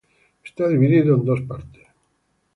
Está dividido en dos partes.